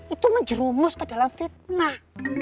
itu menjerumus ke dalam fitnah